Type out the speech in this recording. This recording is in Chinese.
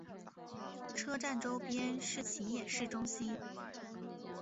车站周边是秦野市中心。